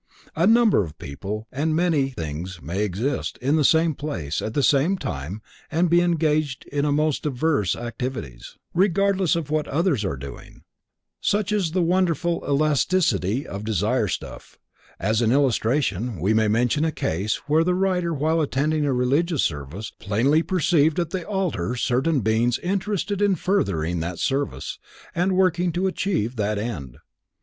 A number of people and things may exist in the same place at the same time and be engaged in most diverse activities, regardless of what others are doing, such is the wonderful elasticity of desire stuff. As an illustration we may mention a case where the writer while attending religious service, plainly perceived at the altar certain beings interested in furthering that service and working to achieve that end.